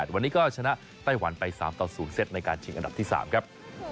วันนี้ก็ชนะไต้หวันไป๓ต่อ๐เซตในการชิงอันดับที่๓ครับ